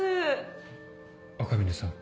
赤嶺さん